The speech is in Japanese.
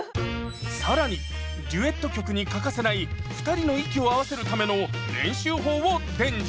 更にデュエット曲に欠かせない２人の息を合わせるための練習法を伝授！